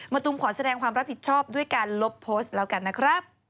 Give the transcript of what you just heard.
ตูมขอแสดงความรับผิดชอบด้วยการลบโพสต์แล้วกันนะครับ